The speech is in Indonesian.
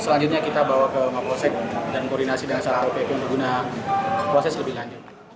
selanjutnya kita bawa ke rumah kos dan koordinasi dengan salah satu pp yang digunakan proses lebih lanjut